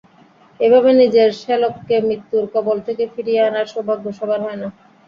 এভাবে নিজের শ্যালককে মৃত্যুর কবল থেকে ফিরিয়ে আনার সৌভাগ্য সবার হয় না!